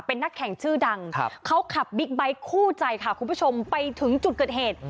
เป็นนักแข่งชื่อดังเขาขับบิ๊กไบท์คู่ใจค่ะคุณผู้ชมไปถึงจุดเกิดเหตุ